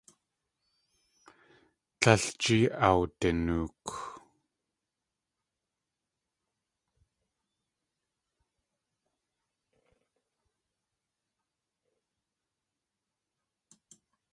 Tlél jée awdanook.